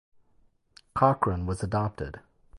Cochran was adopted.